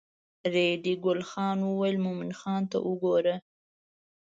ریډي ګل خان وویل مومن خان ته وګوره.